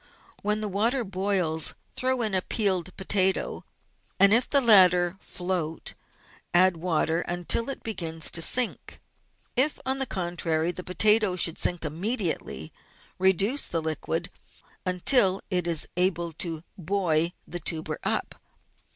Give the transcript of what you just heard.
When the water boils, throw in a peeled potato, and, if the latter float, add water until it begins to sink. If, on the contrary, the potato should sink immediately, reduce the liquid until it is able to buoy the tuber up.